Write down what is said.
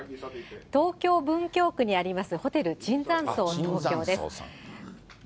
東京・文京区にありますホテル、椿山荘東京さんです。